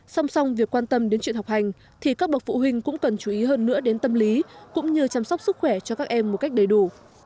song song việc quan tâm đến chuyện học hành thì các bậc phụ huynh cũng cần chú ý hơn nữa đến tâm lý cũng như chăm sóc sức khỏe cho các em một cách đầy đủ